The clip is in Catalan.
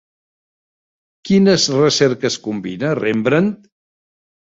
Quines recerques combina Rembrandt?